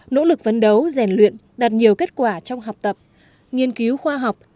nỗ lực vấn đấu rèn luyện đạt nhiều kết quả trong học tập nghiên cứu khoa học